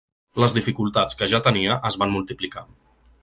Les dificultats que ja tenia es van multiplicar.